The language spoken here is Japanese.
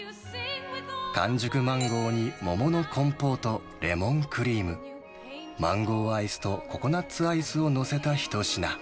完熟マンゴーに桃のコンポート、レモンクリーム、マンゴーアイスとココナッツアイスを載せた一品。